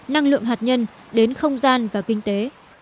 năng lượng hạt nhân đến không gian và kinh tế